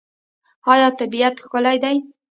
آیا طبیعت ښکلی دی؟